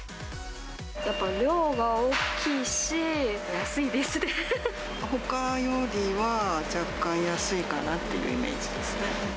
やっぱり量が大きいし、ほかよりは、若干安いかなっていうイメージですね。